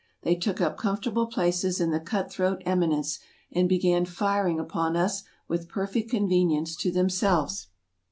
They took up comfortable places in the cut throat eminence, and began firing upon us with perfect convenience to themselves.